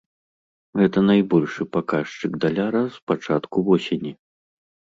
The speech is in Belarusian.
Гэта найбольшы паказчык даляра з пачатку восені.